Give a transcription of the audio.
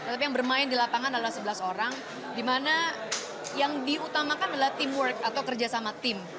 tapi yang bermain di lapangan adalah sebelas orang di mana yang diutamakan adalah teamwork atau kerjasama tim